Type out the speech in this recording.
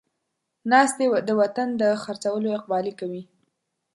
ناست دی د وطن د خر څولو اقبالې کوي